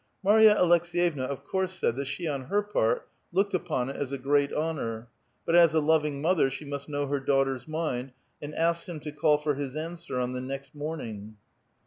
Marya Aleks6yevna of course said that she on her pai*t looked upon it as a great honor, but as a loving mother, slie must kuow her daughter's miud, and asks him to call for his answer on the next morning.